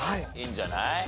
いいんじゃない？